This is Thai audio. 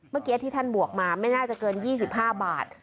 เมื่อกี้ที่ท่านบวกมาไม่น่าจะเกิน๒๕บาท